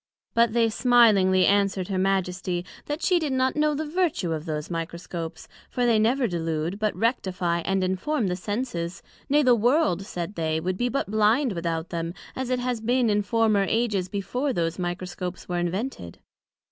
But they smilingly answered her Majesty, That she did not know the vertue of those Microscopes: for they never delude, but rectifie and inform the Senses; nay, the World, said they, would be but blind without them, as it has been in former ages before those Microscopes were invented.